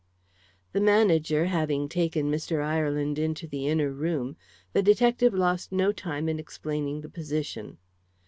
The manager, having taken Mr. Ireland into the inner room, the detective lost no time in explaining the position.